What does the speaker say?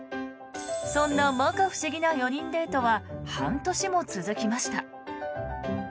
そんな摩訶不思議な４人デートは半年も続きました。